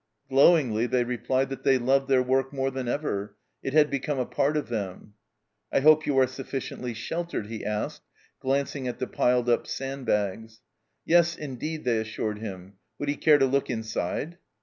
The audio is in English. Glowingly they replied that they loved their work more than ever ; it had become a part of them. " I hope you are sufficiently sheltered ?" he asked, glancing at the piled up sandbags. Yes, indeed, they assured him. Would lie care to look inside